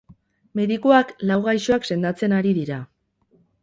Medikuak lau gaixoak sendatzen ari dira.